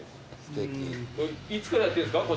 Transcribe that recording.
いつからやってるんですか？